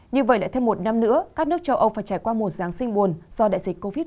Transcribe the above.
như vậy lại thêm một năm nữa các nước châu âu phải trải qua một giáng sinh buồn do đại dịch covid một mươi chín